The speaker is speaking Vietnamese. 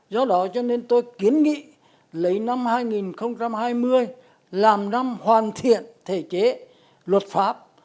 do đó cho nên tôi kiến nghị lấy năm hai nghìn hai mươi làm năm hoàn thiện thể chế luật pháp